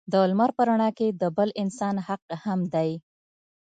د لمر په رڼا کې د بل انسان حق هم دی.